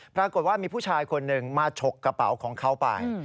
ปรากฏว่ามีผู้ชายคนหนึ่งมาฉกกระเป๋าของเขาไป